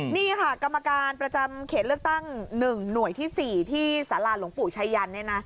นี่ค่ะกรรมการประจำเขตเลือกตั้ง๑หน่วยที่๔ที่สาราหลวงปู่ชายัน